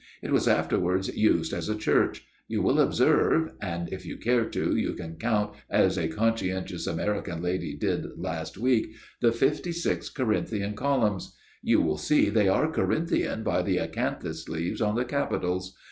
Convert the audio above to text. It was afterwards used as a church. You will observe and, if you care to, you can count, as a conscientious American lady did last week the fifty six Corinthian columns. You will see they are Corinthian by the acanthus leaves on the capitals.